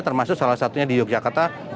termasuk salah satunya di yogyakarta